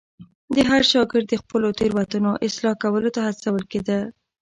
هر شاګرد د خپلو تېروتنو اصلاح کولو ته هڅول کېده.